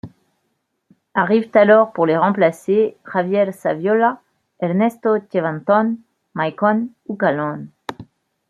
Arrivent alors pour les remplacer Javier Saviola, Ernesto Chevantón, Maicon ou Kallon.